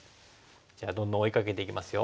じゃあどんどん追いかけていきますよ。